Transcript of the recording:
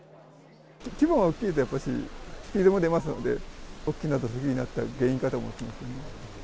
規模が大きいとやっぱし、スピードが出ますので、大きな土石流になった原因かと思いますね。